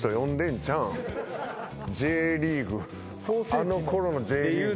あのころのＪリーグ。